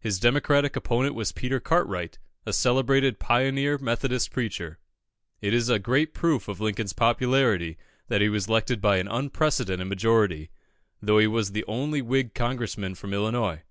His Democratic opponent was Peter Cartwright, a celebrated pioneer Methodist preacher. It is a great proof of Lincoln's popularity that he was elected by an unprecedented majority, though he was the only Whig Congressman from Illinois.